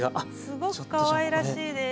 すごくかわいらしいです。